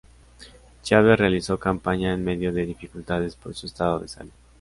Chávez realizó campaña en medio de dificultades por su estado de salud.